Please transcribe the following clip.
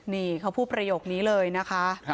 นี่เขาพูดประโยคนี้เลยนะคะ